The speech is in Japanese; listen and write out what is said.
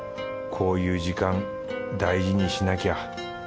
こういう時間大事にしなきゃ。